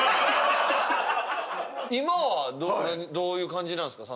今はどういう感じなんですか？